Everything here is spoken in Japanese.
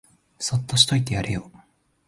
そっとしといてやれよ